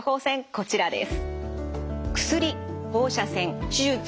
こちらです。